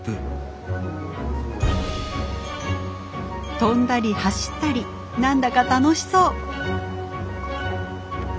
跳んだり走ったり何だか楽しそう。